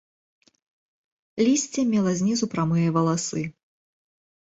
Лісце мела знізу прамыя валасы.